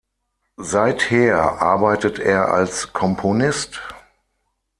Seither arbeitet er als Komponist.